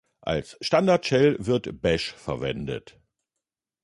Als Standard-Shell wird Bash verwendet.